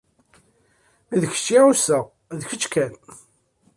D kečč i ɛuṣaɣ, d kečč kan.